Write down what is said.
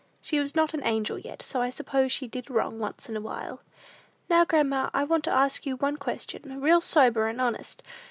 She was not an angel yet; so I suppose she did wrong once in a while. "Now, grandma, I want to ask you one question, real sober and honest.